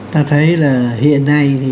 ta thấy là hiện nay